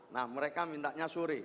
nah mereka mintanya sore